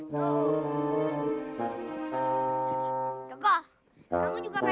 tapi ada bayarannya